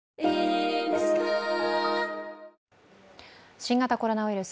新型コロナウイルス